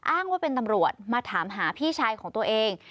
อ้างว่าเป็นตำรวจมาถามหาพี่ชายของตัวเอง